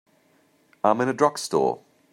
I'm in a drugstore.